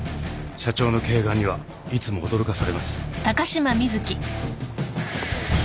社長の慧眼にはいつも驚かされます。